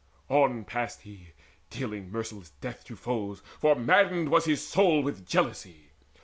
On passed he, dealing merciless death to foes, For maddened was his soul with jealousy.